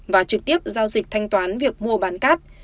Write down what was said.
và trực tiếp giao dịch thanh toán việc mua bán cát